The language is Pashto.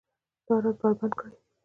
دا راز بربنډ کړي